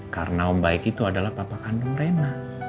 karena om baik itu adalah papa kandung rena